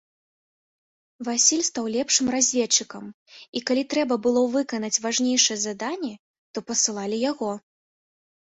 Васіль стаў лепшым разведчыкам, і калі трэба было выканаць важнейшыя заданні, то пасылалі яго.